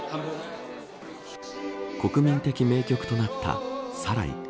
国民的名曲となったサライ。